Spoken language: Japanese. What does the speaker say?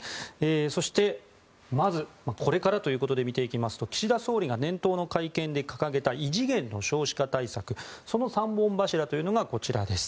そしてまずこれからということで見ていきますと岸田総理が年頭の会見で掲げた異次元の少子化対策その３本柱というのがこちらです。